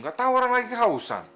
gak tau orang lagi hausan